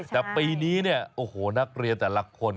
แต่ปีนี้เนี่ยโอ้โหนักเรียนแต่ละคน